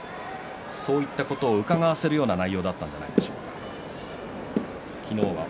そういったことをうかがわせるような内容だったんじゃないでしょうか。